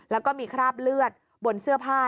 แล้วก็มีคราบเลือดบนเสื้อผ้า